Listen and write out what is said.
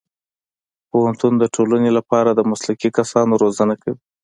پوهنتون د ټولنې لپاره د مسلکي کسانو روزنه کوي.